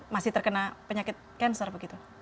masih terkena penyakit cancer begitu